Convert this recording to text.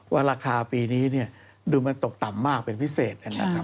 ว่าราคาปีนี้ดูมันตกต่ำมากเป็นพิเศษ